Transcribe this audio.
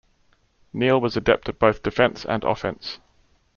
Neil was adept at both defence and offense.